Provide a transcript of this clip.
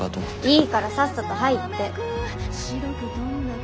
いいからさっさと入って。